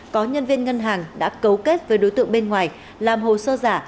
có nhân viên ngân hàng đã cấu kết với đối tượng bên ngoài làm hồ sơ giả